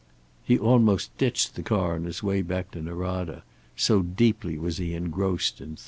He almost ditched the car on his way back to Norada, so deeply was he engrossed in thought.